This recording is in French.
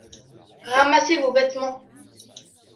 Ramassez vos vêtements.